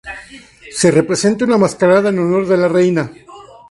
Se representa una mascarada en honor de la reina.